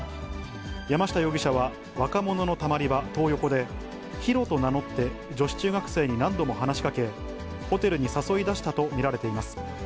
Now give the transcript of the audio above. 山下容疑者は若者のたまり場、トー横で、ヒロと名乗って女子中学生に何度も話しかけ、ホテルに誘い出したと見られています。